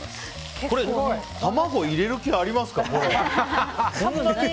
これ、卵入れる気ありますか？